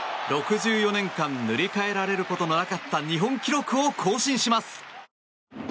６４年間塗り替えられることのなかった日本記録を更新します。